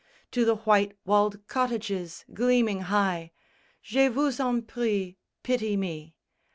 _ To the white walled cottages gleaming high, Je vous en prie, pity me!